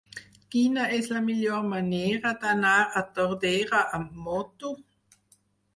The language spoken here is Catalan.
Quina és la millor manera d'anar a Tordera amb moto?